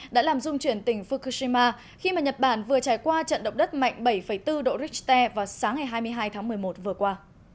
đã làm dung chuyển tỉnh fukushima khi mà nhật bản vừa trải qua trận động đất mạnh bảy bốn độ richter vào sáng ngày hai mươi hai tháng một mươi một vừa qua